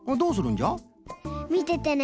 みててね。